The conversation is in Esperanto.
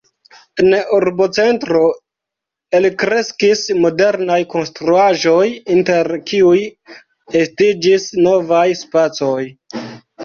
En urbocentro elkreskis modernaj konstruaĵoj, inter kiuj estiĝis novaj spacoj.